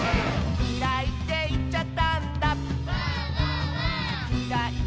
「きらいっていっちゃったんだ」